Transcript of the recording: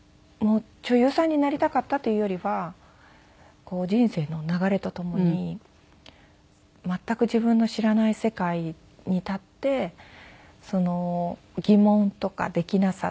女優さんになりたかったというよりは人生の流れとともに全く自分の知らない世界に立って疑問とかできなさ